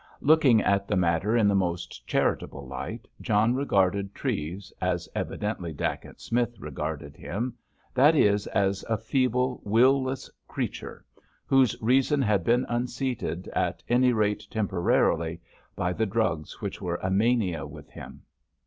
Looking at the matter in the most charitable light, John regarded Treves, as evidently Dacent Smith regarded him, that is, as a feeble, will less creature, whose reason had been unseated, at any rate temporarily, by the drugs which were a mania with him.